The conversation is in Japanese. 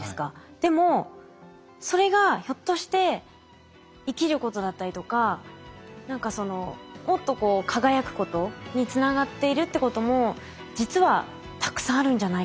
でもそれがひょっとして生きることだったりとか何かそのもっと輝くことにつながっているってことも実はたくさんあるんじゃないかなと。